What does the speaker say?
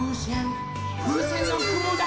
ふうせんのくもだ。